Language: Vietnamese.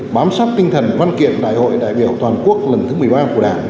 bám sát tinh thần văn kiện đại hội đại biểu toàn quốc lần thứ một mươi ba của đảng